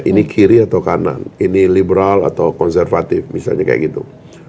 ini kiri atau kanan ini liberal atau konservatif misalnya kayak gitu